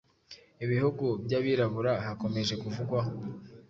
ibihugu by’abirabura hakomeje kuvugwa